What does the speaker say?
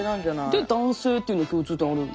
で男性っていうの共通点ある。